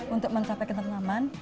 untuk mencapai ketenaman